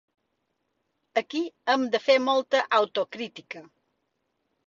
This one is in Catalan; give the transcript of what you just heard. Aquí hem de fer molta autocrítica.